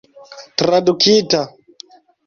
tradukita